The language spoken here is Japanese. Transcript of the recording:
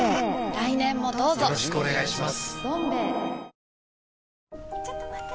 来年もどうぞよろしくお願いします。